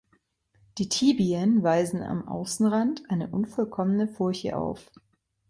Die Tibien weisen am Außenrand eine unvollkommene Furche auf.